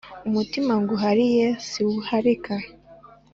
Umutima nguhariye siwuharika